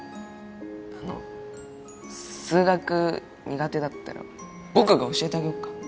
あの数学苦手だったら僕が教えてあげよっか？